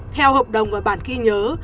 theo hợp đồng và bản ghi nhớ